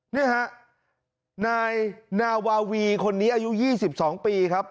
นี่ฮะนายนาวาวีคนนี้อายุ๒๒ปีครับ